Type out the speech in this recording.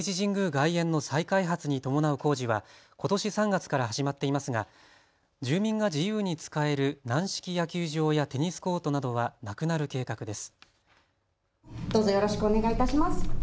外苑の再開発に伴う工事はことし３月から始まっていますが住民が自由に使える軟式野球場やテニスコートなどはなくなる計画です。